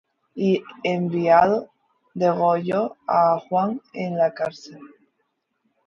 Y enviando, degolló á Juan en la cárcel.